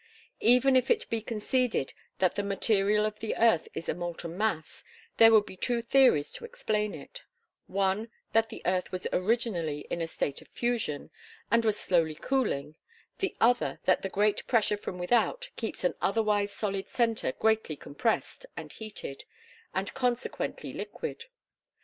Even if it be conceded that the material of the earth is a molten mass, there would be two theories to explain it: one, that the earth was originally in a state of fusion, and was slowly cooling; the other, that the great pressure from without keeps an otherwise solid center greatly compressed and heated, and consequently liquid.